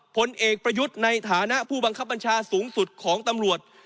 ผลเอกประยุทธ์ในฐานะผู้บังคับบัญชาสูงสุดของตำรวจ